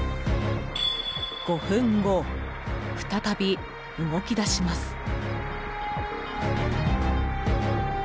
５分後、再び動き出します。